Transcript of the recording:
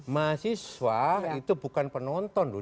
mahasiswa itu bukan penonton loh